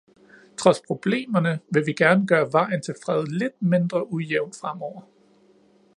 Trods problemerne vil vi gerne gøre vejen til fred lidt mindre ujævn fremover.